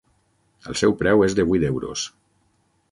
El seu preu és de vuit euros.